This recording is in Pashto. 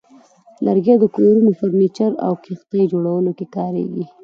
لرګي د کورونو، فرنیچر، او کښتۍ جوړولو کې کارېږي.